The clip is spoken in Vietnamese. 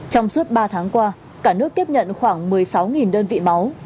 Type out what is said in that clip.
trong suốt ba tháng qua cả nước tiếp nhận khoảng một mươi sáu đơn vị máu